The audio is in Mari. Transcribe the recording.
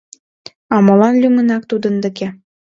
— А молан лӱмынак тудын деке?